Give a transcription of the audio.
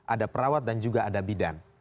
ada perawat dan juga ada bidan